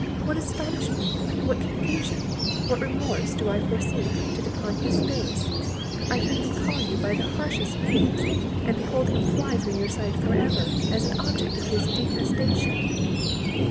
What astonishment! what confusion! what remorse, do I foresee painted upon his face! I hear him call you by the harshest names, and behold him fly from your sight for ever, as an object of his detestation."